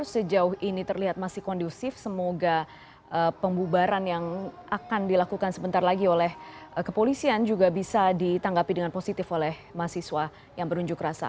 sejauh ini terlihat masih kondusif semoga pembubaran yang akan dilakukan sebentar lagi oleh kepolisian juga bisa ditanggapi dengan positif oleh mahasiswa yang berunjuk rasa